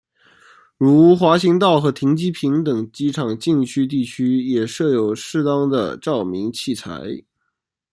如滑行道和停机坪等机场禁区地区也设有适当的照明器材。